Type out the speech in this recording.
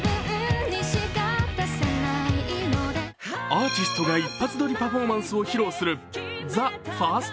アーティストが一発撮りパフォーマンスを披露する「ＴＨＥＦＩＲＳＴＴＡＫＥ」。